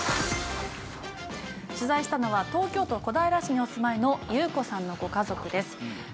取材したのは東京都小平市にお住まいの祐子さんのご家族です。